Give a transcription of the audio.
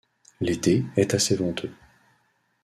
L'été est assez venteux.